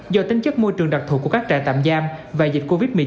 do tính chất môi trường đặc thù của các trại tạm giam và dịch covid một mươi chín